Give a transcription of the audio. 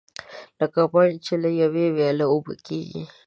لکه بڼ چې له یوې ویالې اوبه کېږي.